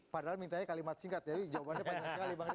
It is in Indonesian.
padahal mintanya kalimat singkat jawabannya panjang sekali